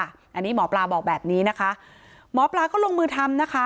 อันนี้หมอปลาบอกแบบนี้นะคะหมอปลาก็ลงมือทำนะคะ